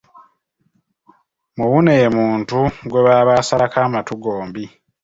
Muwune ye muntu gwe baba basalako amatu gombi.